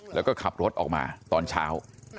แล้วก็ขับรถออกมาตอนเช้า